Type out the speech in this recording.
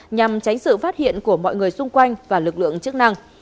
nhằm tránh sự phát hiện của mọi người xung quanh và lực lượng chức năng